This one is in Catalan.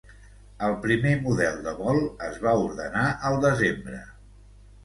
El primer model de vol es va ordenar al desembre.